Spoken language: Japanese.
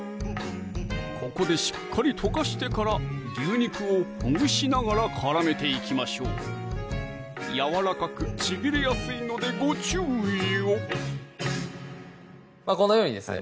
ここでしっかり溶かしてから牛肉をほぐしながら絡めていきましょうやわらかくちぎれやすいのでご注意をこのようにですね